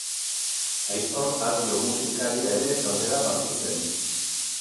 Aitor Abio musikaria ere taldera batu zen.